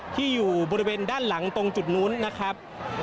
ที่อยู่บริเวณด้านหลังตรงจุดนู้นนะครับ